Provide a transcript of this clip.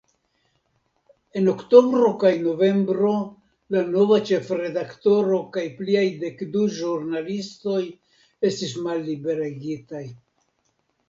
En oktobro kaj novembro la nova ĉefredaktoro kaj pliaj dekdu ĵurnalistoj estis malliberigitaj.